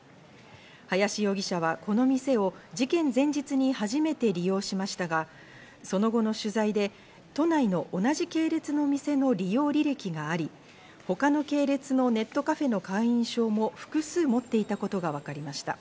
林容疑者はこの店を事件前日に初めて利用しましたが、その後の取材で都内の同じ系列の店の利用履歴があり、他の系列のネットカフェの会員証も複数持っていたことがわかりました。